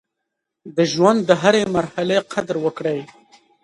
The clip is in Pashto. د ژوند د هرې مرحلې قدر وکړئ.